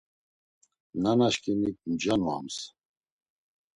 Nanaşkimik mja nuyams.